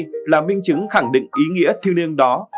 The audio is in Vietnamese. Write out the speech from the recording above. tấm thẻ cử tri là minh chứng khẳng định ý nghĩa thiêu niên đó